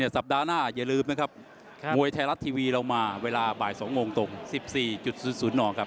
สัปดาห์หน้าอย่าลืมนะครับมวยไทยรัฐทีวีเรามาเวลาบ่าย๒โมงตรง๑๔๐๐หน่อครับ